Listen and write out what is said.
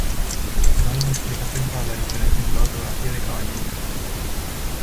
No hay una explicación para la diferencia en la ortografía de "Caballero".